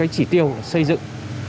chỉ tiêu xây dựng